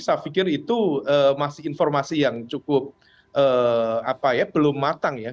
saya pikir itu masih informasi yang cukup belum matang ya